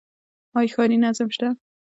آیا ښاري نظم شته؟